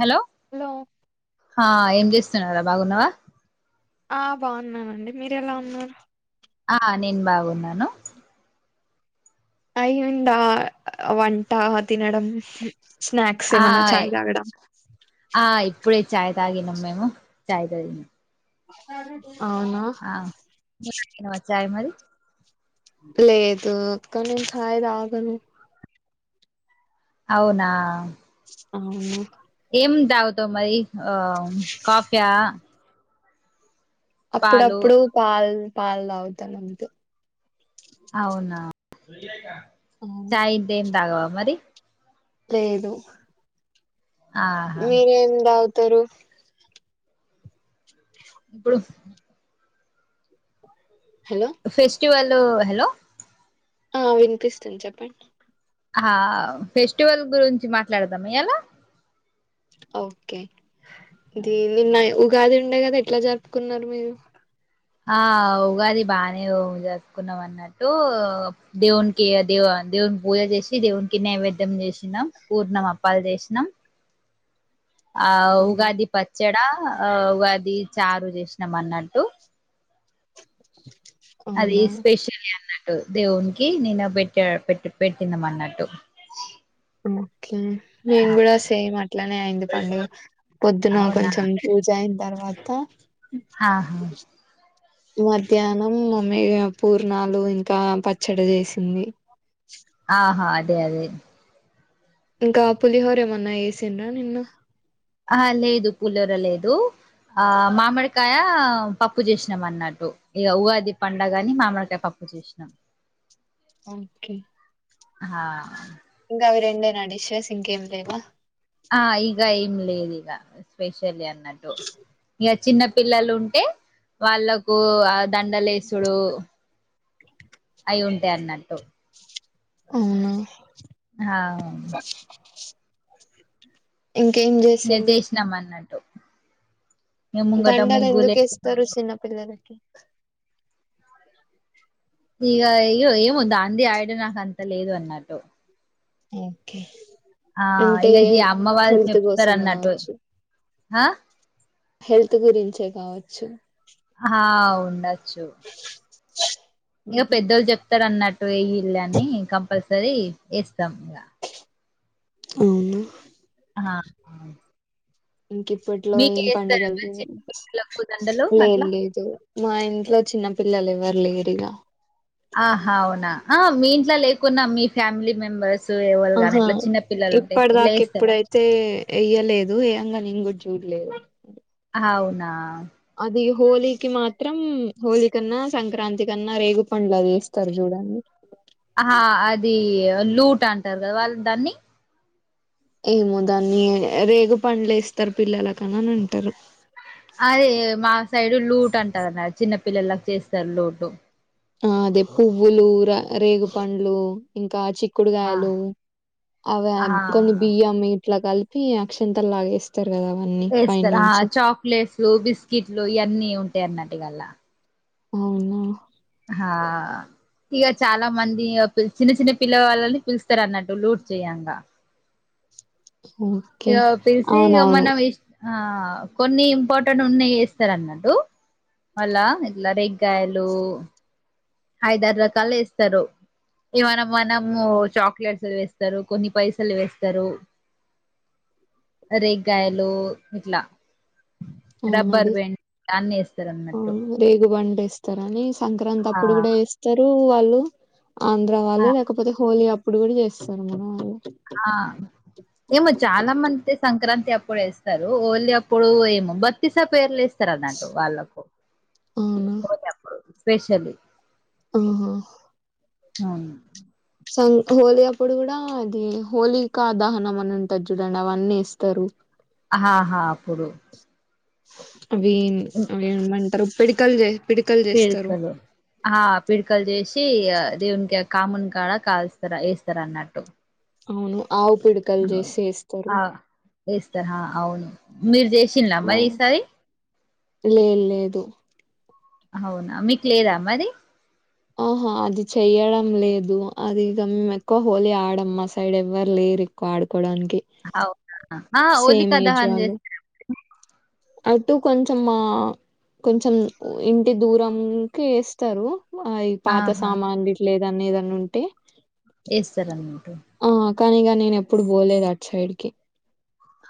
Hello hello హ ఏం చేస్తున్నవ్రా బాగున్నవా. ఆ బాఉన్నానండి మీరెలా ఉన్నారు. ఆ నేను బాగున్నాను. అయిందా ఆ వంట తినడం. స్నాక్స్ ఏమన్నా ఆయ్ చాయ్ తాగడం ఆ ఇప్పుడే ఛాయ్. తాగినం మేము ఛాయ్ దాగినం అవునా నువ్వు తాగినవా చాయ్ మరి లేదు అక్క నేన్ ఛాయ్ తాగాను. అవునా అవును ఏం దాగుతావ్ మరి ఆ కాఫయా. అప్పుడప్పుడు పాల్ పాల్దాగుతాను అంతే. అవును ఛాయ్ ఇంకేం తాగవా మరి లేదు ఆహా మీరేం దాగుతరు ఇప్పుడు హలో టువెల్లో హలో ఆ వినిపిస్తుంది చెప్పండి ఆ ఫెస్టివల్ గురించి మాట్లాడదామియాల ఓకే ది నిన్న ఉగాది ఉండే కదా ఎట్లా జరుపుకున్నరు మీరు. ఆ ఉగాది బానే ఉ చేసుకున్నం అన్నట్టు దేవునికి దేవ్ దేవుని పూజ చేసి, దేవునికి నైవేద్యం చేశినాం, పూర్ణం అప్పాలు చేశినాం. ఆ అవును ఉగాది పచ్చడా, ఆ ఉగాది చారు చేసినం అన్నట్టు. ప్చ్ చ అది స్పెషల్లీ అన్న ట్టు. దేవునికి నిన్న పెట్ట, పెట్టి పెట్టినం అన్నట్టు. కె. మేము కూడ సేమ్ అట్లానే అయింది పండగ పొద్దున అవునా కొంచెం పూజ అయింది. తర్వాత ఆహా మధ్యాహ్నం మమ్మీ ఇగ పూర్ణాలు, ఇంకా పచ్చడ చేసింది. ఆహా, అదే అదే. ఇంకా పులిహోర ఎమన్నా ఏసిన్రా నిన్న. ఆ లేదు. పుల్హోర లేదు. ఆ మామిడికాయ, పప్పు చేసినాం అన్నట్టు. ఇక ఉగాది పండగని మామిడికాయ పప్పు. ప్పు చేషినాం. ఓకే హా ఇంకా, అవి రెండేనా డిషెస్ ఇంకేం లేవా. ఆ ఇగ ఏంలేదు ఇగ స్పెషల్లీ అన్నట్టు. ఇగ చిన్న పిల్లలు ఉంటే వాళ్ళకు ఆ దండలేసుడు. అయి ఉంటయన్నట్టు. అవునా హా ఇంకేం ఇగ జెసిండ్రు. చేసినాం అన్నట్టు ఇగ ముంగట ముగ్గులే దండలెందుకు ఏస్తరు చిన్న పిల్లలకి. ఇగ ఇగొ ఏమో దాన్ది ఐడియా నాకు అంత లేదు అన్నట్టు. ఓకే ఆ అంటే ఇగ ఇది అమ్మ వాళ్ళ హెల్త్ చెప్తరు కోసమే అన్నట్టు, కావచ్చు ఆ. హెల్త్ గురించే కావచ్చు. హా ఉండచ్చు. ష్ ఇక పెద్దోళ్ళు చెప్తరు అన్నట్టు, ఎయ్యుల్లి అని, కంపల్సరీ వేస్తం ఇంక. అవునా ఆ ఇంక ఇప్పట్లో ఏం మీకేస్తారా మరి పడుగలు చిన్న లేవు. పిల్లలకు దండలు లేదు, అట్లా? లేదు. మా ఇంట్లో చిన్న పిల్లలు ఎవ్వరు లేరు ఇగ. ఆహా, అవునా. ఆ మీ ఇంట్లో లేకున్నా మీ ఫ్యామిలీ మెంబర్స్. సో ఎవల్ కానీ, ఆహా ఇట్ల చిన్న పిల్లలు ఉంటె ఇట్ల ఇప్పటిదాకా యేస్తారా. ఎప్పుడైతే ఎయ్యలేదు, ఎయ్యంగా నేన్ కూడ చూడలే. అవునా అది హోలీకి మాత్రం హోలీ కన్నా, సంక్రాంతి కన్నా, రేగు పండ్లు అది ఎస్తరు చూడండి. వాల్ లూట అంటారు కదా వాళ్ళు దాన్ని. ఏమో దాన్ని రేగు పండ్లు వేస్తరు పిల్లలకు అని అంటారు. అదే, మా సైడు లూట్ అంటారు అన్నట్టు. చిన్నపిల్లలకి చేస్తరు లూటు. ఆ అదే పువ్వులు, ర రేగు పండ్లు, ఇంకా చిక్ ఆ! క్కుడుగాయలు. అవి ఆహా! కొన్ని బియ్యం మీద ఇట్లా కలిపి, అక్షంతలు లాగ. వేస్తారు. ఆ చాక్లెట్స్లు, బిస్కిట్లు, ఇవన్నీ ఉంటాయి అన్నట్టు ఇగ అల్లా. అవునా హా ఇగ చాలా మంది చిన్న, చిన్న పిల్ల వాళ్ళని పిలుస్తారు అన్నట్టు లూట్ చేయంగా. ఓకే ఇగ పిల్సి ఇగ అవునవును మనం ఇష్ట ఆ కొన్ని ఇంపార్టెంట్ ఉన్నాయి చేస్తారు అన్నట్టు మళ్ళ ఇట్లా రగ బకాయలు ఐదారు రకాలు ఇేస్తారు ఇ మనం మనము చాక్లెట్స్లు వేస్తారు కొన్ని పైసలు వేస్తారు అరేగ్గాయలో ఎట్లా అవున్నది అన్నట్టు రేగబండ్ వేస్తారుని సంక్రాంతి ఆ అప్పుడు కూడా వేస్తారు వాళ్ళు ఆంధ్ర ఆ వాళ్ళు లేకపోతే హోలీ అప్పుడు కూడా చేస్తారు మనం వాళ్ళు ఆ ఏమో చాలా మంది సంక్రాంతి ఇప్పుేస్తారు ఓన్లీ అప్పుడు ఏమో బతిీసా పేర్లు వస్త స్తరణటు వాళ్ళకు అవునా పొతేప్పుడు స్పెషళ్ళి ఆహా అ సం హోలీ అప్పుడు కూడా అది హోలీక దహనం అని ఉంటారు చూడండి అవన్నీ ఇస్తరు ఆాహాప్పుడు వీన్ వీనేమంటరు పిడికల్ జే పిడ్కలు ఆ పిడ్కల్ జేస్ చ్చి దేవునికి కామున్ కాడ కాల్స్తారు వేస్తారు అన్నట్టు అవును ఆవు పిడకలు చేసి వేస్తారు ఇస్తర అవును మీరు చేసింలా మా మరి ఈసారి లేదు లేదు అవునా మీకు లేదా మది ఆహా అది చెయ్యడం లేదు అది ఇక మేము ఎక్కువ హోలీ ఆడం మా సైడ్ ఎవ్వరు లేదు రడుకోడానికినికి అవునా ఆ సేమ్ హోలికా ఏజ్ దహన్ వాళ చేస్తారు అటు కొంచెం కొంచెం ఇంటి దూరంకి వేస్తారు ఆ ఈ పాత ఆహా సామాన్ గిట్ల లేదనేదని ఉంటే వేస్త రన్నమాట అవును గాని నేను ఎప్పుడు పోలేదు అట్ సైడ్ కి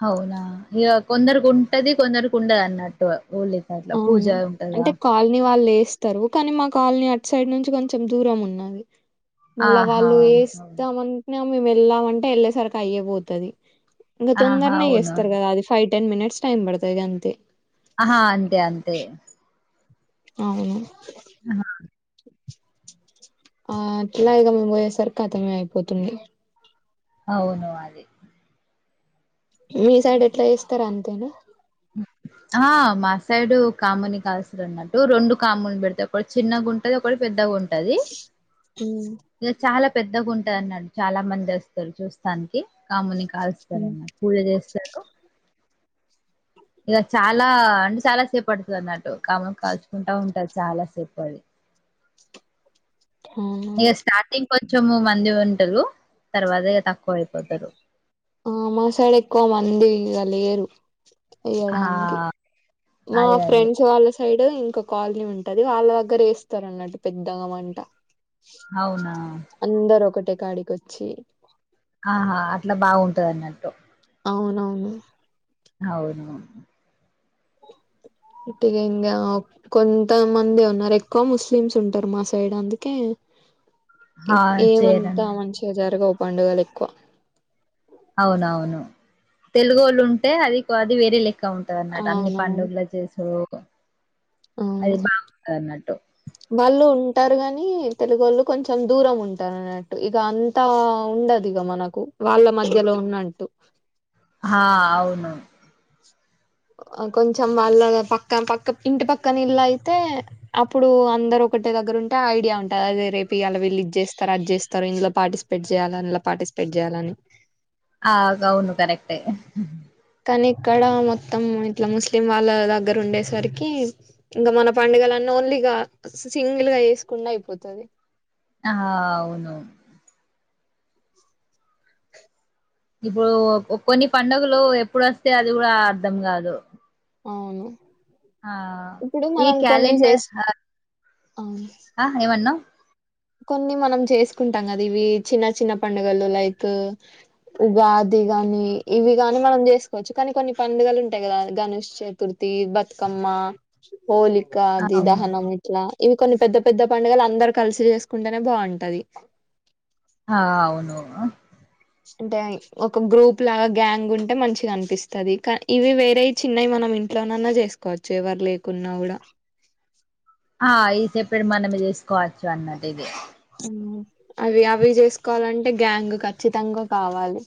అవునా ఇక కొందరికి ఉంటది కొందరికి ఉండదు అన్నట్టు హోలికా అట్లా పూజ అవును ఉంటదా అంటే కాలనీ వాళ్ళు ఎస్ ఇస్తరు కానీ మా కాలనీ అట్ సైడ్ నుంచి కొంచెం దూరం ఉన్నది మళ్ళా ఆహా వాళ్ళు అవును వేస్తామని మేము వెళ్ళాంంటే వెళ్లే సరికి అయే పోతుంది ఇక ఆహా తొందరనే అవును చేేస్తారు కదా అది ఫై టెన్ మినిట్స్ టైమ్ బడతది గంతే ఆహా అంతే అంతే అవును ఆ ఆ అట్లా ఇగ మం పోయేసరికితమే అయిపోతుంది అవును అది మీ సైడ్ ఎట్లా జేస్తర అంతేనా ఆ మా సైడు కాముని కాల్సర అన్నటు కాములు పెడతా ఒక చిన్నగా ఉంటది ఒక పెద్దగా ఉంటది ఉమ్ ఇ చాలా పెద్దగా ఉంటా అన్నాడు చాలా మంది వస్తారు చూస్తానికి కాముని కాలుస్తారన్న పూజ చేస్తారు ఇక చాలా అంటే చాలా సేపు పడుతుంది అన్నట్టు కామం కాల్చుకుంటా ఉంటది చాలా సేపు అది అవునా ఇక స్టార్టింగ్ కొంచం మంది ఉంటారు తర్వాత ఇక తక్కువ అయిపోతారు ఆ మా సైడ్ ఎక్కువ మంది ఇక లేరు వే ఆ యడానికి మా అదే అదే ఫ్రెండ్స్ వాళ్ళ సైడ్ డు ఇంకా కాలనీ ఉంటది వాళ్ళ దగ్గర వేస్తారు అన్నట్టు పెద్దగా మంట అవునా ట్టకాడి కొచ్చి ఆహా అట్లా బాగుంటది అన్నట్టు అవునవును అవును ఇటుగ ఇంకా కొంతమంది ఉన్నారు ఎక్కువ ముస్లిమ్స్ ఉంటారు మా సైడ్ అందుకే ఆ ఏమంతా చేయరన్నట్టు మంచిగా జరగవు పండుగలు ఎక్కువ అవునవును తెలుగు వాళ్ళు ఉంటే అది అది వేరే లె [unintelligible] ఉంటంది అన్నట్ అన్ని అవునవును పండుగల చేస అవును అది [unintelligible] అంటారు గాని తెలుగు వాళ్ళు కొంచెం దూరం ఉంటారు అన్నట్టు అంతా ఉండదు గ మనకు వాళ్ళ మధ్యలో ఉన్నట్టు హా అవును కొంచెం వాళ్ళ పక్క పక్క ఇంటి పక్కన ఇళ్ళ అయితే అప్పుడు అందరు ఒకే దగ్గర ఉంటే ఐడియా ఉంటది అదే ఇలా వీళ్ళ ఇ చేస్తారు అ చేస్తారు ఇందులో పార్టిసిపేట్ చేయాల అందు పటి స్పెడ్ చేయాలని ఆ గవును కరెక్ట్ కానీ ఇక్కడ మొత్తం ఇట్ల ముస్లిం వాళ్ళ దగ్గర ఉండేసరికి ఇంకా మన పండుగలన్ ఓన్లీగ సింగిల్ గా చేసుకున్న అయిపోతది ఆ అవును ఇప్పుడు కొన్ని పండుగలు ఎప్పుడు వస్తాయో అది కూడా అర్ధం కాదు అవును ఆ ఇప్పుడు ఈ మనం కొన్ని క్యాలెండర్ చేస్ అవును ఏమన్నవ్ కొన్ని మనం చేసుకుంటాం కదా ఇవి చిన్న చిన్న పండుగలు లైక్ ఉగాది గాని ఇవి గాని మనం చేసుకోవచ్చు కానీ కొన్ని పండుగలు ఉంటాయి కదా గణేష్ చతుర్థి బతుకమ్మ హోలిక ది అవును దహనం ఇట్లా ఇవి కొన్ని పెద్ద పెద్ద పండగలు అందరు కలిసి చేసు కుంటేనే బాగుంటది ఆ అవును అంటే ఒక గ్రూప్ లాగా గ్యాంగ్ ఉంటే మంచిగా అనిపిస్తుంది క ఇవి వేరే చిన్నయి మనం ఇంట్లోనన్నా చేసుకోవచ్చు ఎవరు లేకున్నా కూడా కోచ్చ అన్నట్ ఇది అవి అవి చేసుకోవాలంటే గ్యాంగ్ ఖచ్చితంగా కావాలి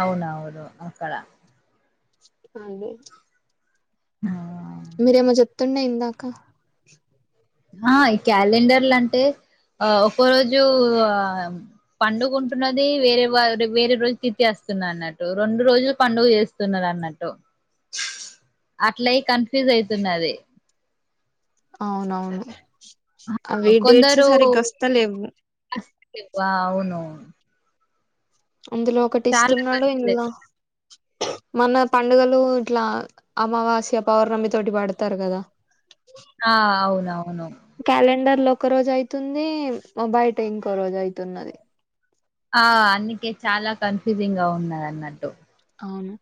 అవునవును అక్కడ అది ఆ మీరేమో చెప్తున్న ఇందాక ఆ ఈ క్యాలెండర్లు అంటే ఆ ఒక రోజు ఆ పండుగంటున్నది వేరే వ వేరే రోజు తితి స్తున్నట్టు రెండు రోజులు పండుగ చేస్తున్నారు అన్నట్టు అట్లయి కన్ఫ్యూజ్ అయితున్నది అవునవును అవి డేట్స్ కొందరు సరిగ్గా వస్త లేవు అవును అందులో ఒకటి చాలా ఇస్తున్నాడు కన్ఫ్యూజ్ ఇంల అవుతున్నారు. మన పండుగలు ఇట్లా అమావాస్య పౌర్ణమి తోటి పడతారు కదా ఆ అవునవును క్యాలెండర్ లో ఒక రోజు అయితుంది బయట ఇంకో రోజు అయీతున్నది ఆ అందుకే చాల కన్ఫ్యూజింగ్ గా ఉన్నది అన్నట్టు అవును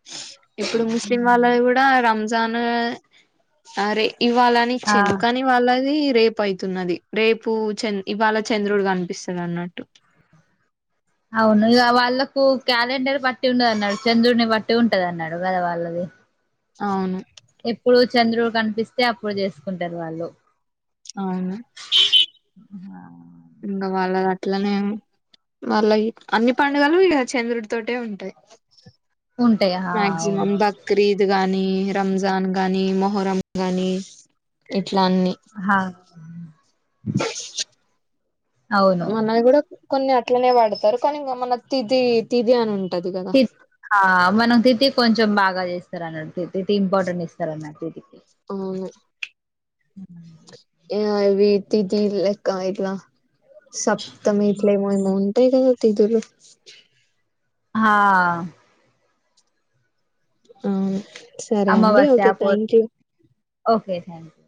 ఇప్పుడు ముస్లిం వాళ్ళ ఉమ్. కూడ రంజాన్ సరే ఇవ్వాలని ఆ ఇచిండ్రు కానీ వాళ్ళది రేపు అయితున్నది రేపు చ ఇవాళ చంద్రుడు కనిపిస్తుంది అన్నట్టు అవును ఇక వాళ్ళకు క్యాలెండర్ పట్టి ఉండదు అన్నాడు చంద్రుడిని పట్టి ఉంటది అన్నాడు కదా వాళ్ళది అవును ఎప్పుడు చంద్రుడు కనిపిస్తే అప్పుడు చేసుకుంటారు వాళ్ళు అవునా ఆ ఇంకా వాళ్ళ అట్లనే మళ్ళ అన్ని పండుగలు ఇక చంద్రుడి తోటే ఉంటాయి ఉంటాయి ఆ మక్సిమం అవును బక్రీద కాగానీ రంజాన్ గాని మొహరం గాని ఇట్లాన్ని అ అవును మన కూడా కూడా కొన్ని అట్లనే వాడతారు కానీ ఇంకా మన తిది తిది అని ఉంటంది తి మనం తితి కొంచెం బాగా చేస్తారు అన ఇది ఇంపార్టెంట్ ఇస్తార అన్నది అవును ఏవి దిదీలక్క ఇట్లా సప్తమి ఇట్లమో ఉంటాయి కదా తీ ఇద్దరు హా సరే అండి అమావాస్య ఓకే థ్యాంక్ పౌర్ణమి యూ ఓకే థ్యాంక్ యూ